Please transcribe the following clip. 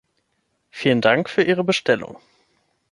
Vielen Dank für Ihre Bestellung!.